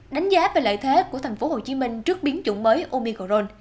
đánh giá về lợi thế của tp hcm trước biến chủng mới omicron